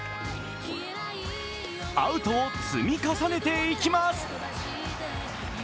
アウトを積み重ねていきます。